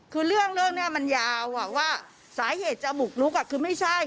คือเรื่องนี้มันยาวว่าสาเหตุจะบุกลุกคือไม่ใช่